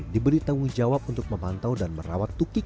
diberi tanggung jawab untuk memantau dan merawat tukik